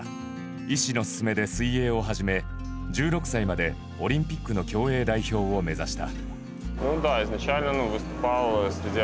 医師の勧めで水泳を始め１６歳まで、オリンピックの競泳代表を目指した。